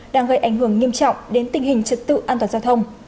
đang gây ảnh hưởng nghiêm trọng đến tình hình trật tự an toàn giao thông